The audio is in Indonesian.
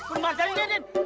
permataan ini din